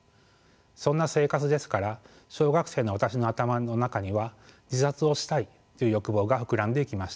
そんな生活ですから小学生の私の頭の中には自殺をしたいという欲望が膨らんでいきました。